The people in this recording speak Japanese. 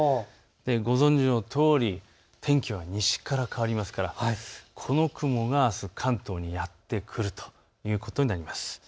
ご存じのとおり天気は西から変わりますから、この雲があす関東にやって来るということになります。